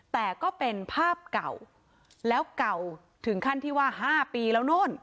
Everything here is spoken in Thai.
แต่ก็เป็นภาพเก่าแล้วเก่าถึงขั้นที่ว่า๕ปีแล้วโน่น